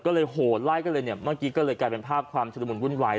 ก็เลยโหดไล่กันเลยเนี่ยเมื่อกี้ก็เลยกลายเป็นภาพความชุดละมุนวุ่นวาย